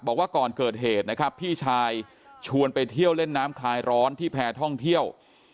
บอกว่าก่อนเกิดเหตุนะครับพี่ชายชวนไปเที่ยวเล่นน้ำคลายร้อนที่แพรท่องเที่ยว